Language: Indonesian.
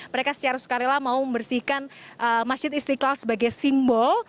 mereka secara sukarela mau membersihkan masjid istiqlal sebagai simbol